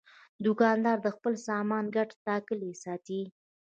دوکاندار د خپل سامان ګټه ټاکلې ساتي.